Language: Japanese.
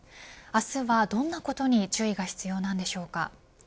明日はどんなことに注意が必要なんでしょうか。